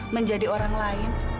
menjadi orang lain